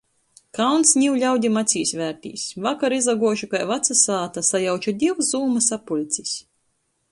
Kauns niu ļaudim acīs vērtīs - vakar izaguožu kai vaca sāta, sajauču div Zūma sapuļcis.